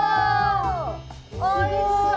おいしそう！